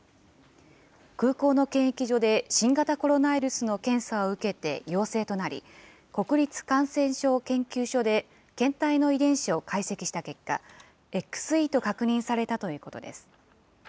空港の検疫所で新型コロナウイルスの検査を受けて陽性となり、国立感染症研究所で検体の遺伝子を解析した結果、ＸＥと確認されたということです。